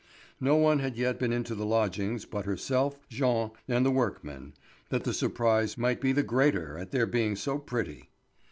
No one had yet been into the lodgings but herself, Jean, and the workmen, that the surprise might be the greater at their being so pretty.